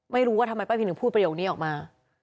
ไม่รู้ว่าทำไมป้าพินถึงพูดประโยคนี้ออกมา